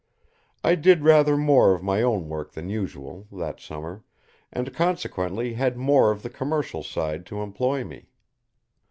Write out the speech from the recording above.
I did rather more of my own work than usual, that summer, and consequently had more of the commercial side to employ me.